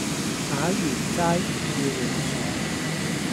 打完齋唔要和尚